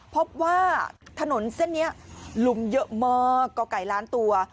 พบว่าถนนเส้นนี้ลุมเยอะมากก่อไก่ล้านตัว